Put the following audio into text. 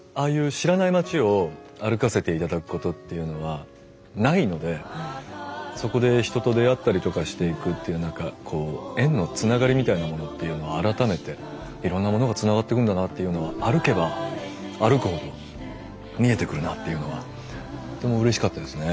知らない町を歩かせて頂くことっていうのはないのでそこで人と出会ったりとかしていくっていう何か縁のつながりみたいなものっていうのを改めていろんなものがつながっていくんだなっていうのは歩けば歩くほど見えてくるなっていうのはとってもうれしかったですね。